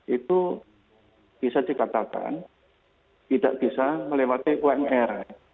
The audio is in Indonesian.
itu bisa dikatakan tidak bisa melewati umr